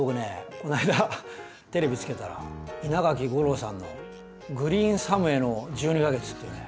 この間テレビつけたら稲垣吾郎さんの「グリーンサムへの１２か月」っていうね